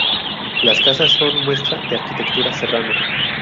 Las casas son muestra de arquitectura serrana.